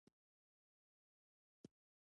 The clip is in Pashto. د لکه کی کلی موقعیت